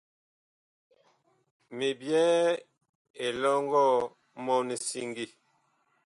Mi byɛɛ elɔŋgɔ mɔɔn siŋgi.